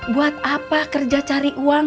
buat apa kerja cari uang